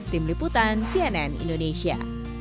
tim liputan cnn indonesia